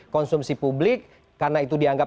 konsumsi publik karena itu dianggap